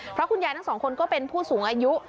เพราะคุณยายทั้งสองคนก็เป็นผู้สูงอายุ